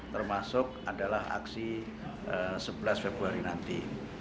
termasuk adalah aksi sebelas februari nanti